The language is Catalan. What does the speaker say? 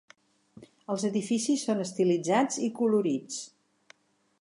Els edificis són estilitzats i colorits.